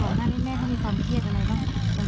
หน้านี้แม่เขามีความเครียดอะไรบ้าง